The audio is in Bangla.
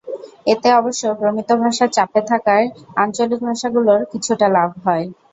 এতে অবশ্য প্রমিত ভাষার চাপে থাকায় আঞ্চলিক ভাষাগুলোর কিছুটা লাভ হয়।